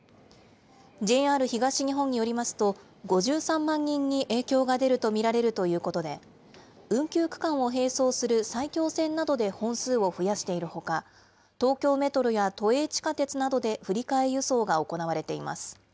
ＪＲ東日本によりますと、５３万人に影響が出ると見られるということで、運休区間を並走する埼京線などで本数を増やしているほか、東京メトロや都営地下鉄などで振り替え輸送が行われています。